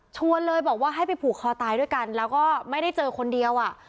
ชวนเลยบอกว่าให้ไปผูกคอตายด้วยกันแล้วก็ไม่ได้เจอคนเดียวอ่ะ